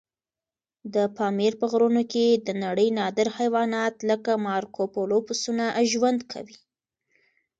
د پامیر په غرونو کې د نړۍ نادر حیوانات لکه مارکوپولو پسونه ژوند کوي.